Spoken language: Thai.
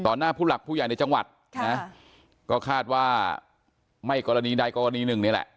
หน้าผู้หลักผู้ใหญ่ในจังหวัดนะก็คาดว่าไม่กรณีใดกรณีหนึ่งนี่แหละ